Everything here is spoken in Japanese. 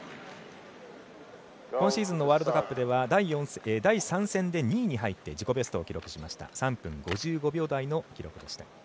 今シーズンのワールドカップでは第３戦で２位に入って自己ベストを記録しました。